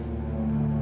aku mau balik